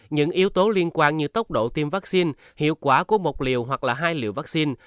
những yếu tố liên quan như tốc độ tiêm vaccine hiệu quả của bộc liều hoặc là hai liều vaccine